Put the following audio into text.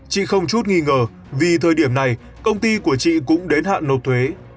chị không chút nghi ngờ vì thời điểm này công ty của chị cũng đến hạn nộp thuế